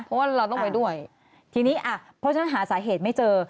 เพราะว่าเราต้องไปด้วยทีนี้อ่ะเพราะฉะนั้นหาสาเหตุไม่เจอ